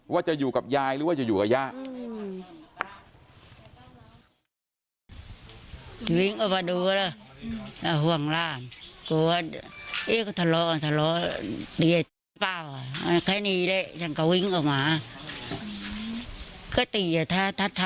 ว่าจะอยู่กับยายหรือว่าจะอยู่กับย่า